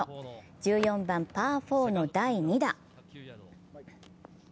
１４番パー４の第２打。